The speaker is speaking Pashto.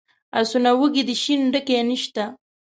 آسونه وږي دي شین ډکی نشته.